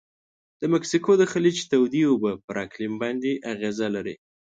د مکسیکو د خلیج تودې اوبه پر اقلیم باندې اغیزه لري.